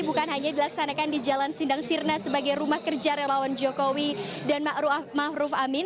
bukan hanya dilaksanakan di jalan sindang sirna sebagai rumah kerja relawan jokowi dan ⁇ maruf ⁇ amin